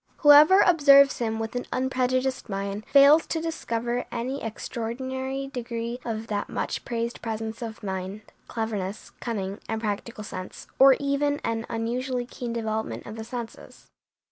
Whoever observes him with an unprejudiced mind fails to discover any extraordinary degree of that much praised presence of mind, cleverness, cunning, and practical sense, or even an unusually keen development of the senses.